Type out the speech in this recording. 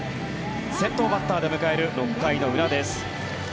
先頭バッターで迎える６回の裏です。